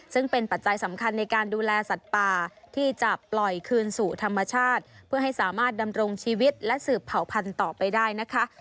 ซึ่งเป็นปัจจัยสำคัญในการดูแลสัตว์ป่าที่จะปล่อยคืนสู่ธรรมชาติเพื่อให้สามารถดำรงชีวิตและสืบเผ่าพันธุ์ต่อไปได้นะคะ